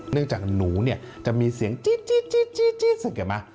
เนื่องจากหนูจะมีเสียงจี๊ดเห็นไหม